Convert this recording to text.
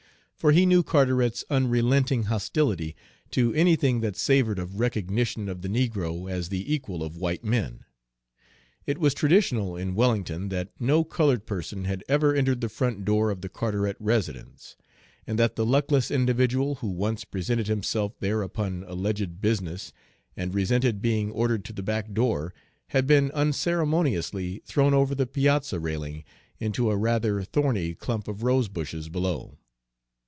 For he knew Carteret's unrelenting hostility to anything that savored of recognition of the negro as the equal of white men. It was traditional in Wellington that no colored person had ever entered the front door of the Carteret residence, and that the luckless individual who once presented himself there upon alleged business and resented being ordered to the back door had been unceremoniously thrown over the piazza railing into a rather thorny clump of rosebushes below.